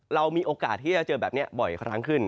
เรามีโอกาสที่จะเจอแบบนี้บ่อยครั้งขึ้น